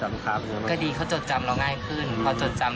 นี่คนเดียวกันกับเมื่อกี้ใช่ไหม